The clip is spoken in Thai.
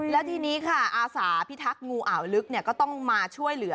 แล้วทีนี้ค่ะอาสาพิทักษ์งูอ่าวลึกก็ต้องมาช่วยเหลือ